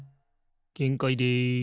げんかいです。